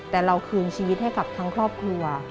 แต่เราคืนชีวิตให้กับทั้งครอบครัว